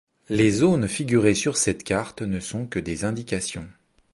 Les zones figurées sur cette carte ne sont que des indications.